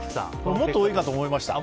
もっと多いかと思いました。